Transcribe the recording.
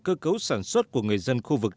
cơ cấu sản xuất của người dân khu vực